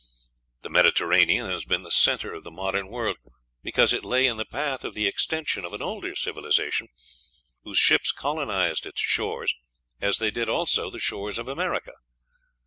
The Mediterranean has been the centre of the modern world, because it lay in the path of the extension of an older civilization, whose ships colonized its shores, as they did also the shores of America.